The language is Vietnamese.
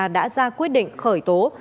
đã ra quyết định khởi tố